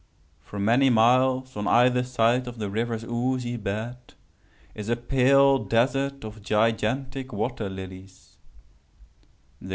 For many miles on either side of the river's oozy bed is a pale desert of gigantic water lilies.